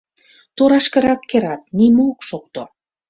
Торашкырак керат — нимо ок шокто.